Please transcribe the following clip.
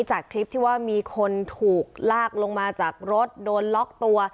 จากคลิปที่ว่ามีคนถูกลากลงมาจากรถโดนล็อกตัว